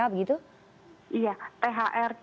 ada juga informasi dari mereka begitu